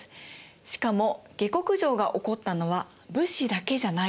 しかも下剋上が起こったのは武士だけじゃないの。